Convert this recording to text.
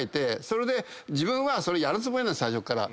それで自分はそれやるつもりなの最初から。